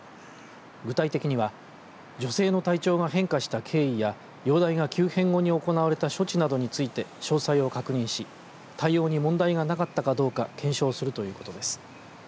具体的には女性の体調が変化した経緯や容体が急変後に行われた処置などについて詳細を確認し対応に問題がなかったかどうか検証するということです。